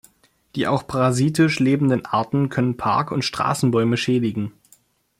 Die auch parasitisch lebenden Arten können Park- und Straßenbäume schädigen.